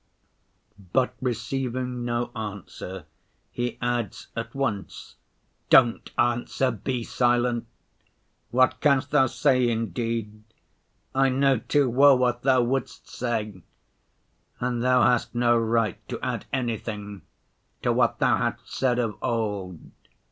but receiving no answer, he adds at once, 'Don't answer, be silent. What canst Thou say, indeed? I know too well what Thou wouldst say. And Thou hast no right to add anything to what Thou hadst said of old.